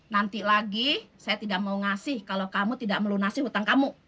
nanti lagi saya tidak mau ngasih kalau kamu tidak melunasi hutang kamu